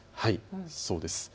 そうです。